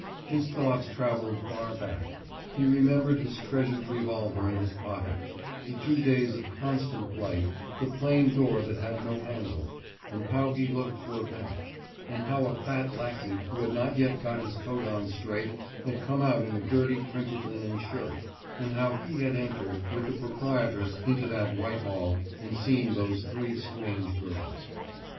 His thoughts travelled farther back; he remembered his treasured revolver in his pocket, the two days of constant flight, the plain door that had no handle, and how he looked for a bell, and how a fat lackey who had not yet got his coat on straight had come out in a dirty printed linen shirt, and how he had entered with the proprietress into that white hall and seen those three strange girls.